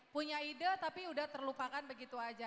punya ide tapi udah terlupakan begitu aja